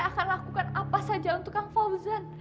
akan lakukan apa saja untuk kang fauzan